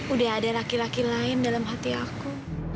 udah ada laki laki lain dalam hati aku